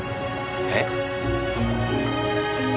えっ？